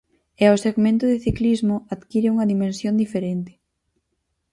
E o segmento de ciclismo adquire unha dimensión diferente.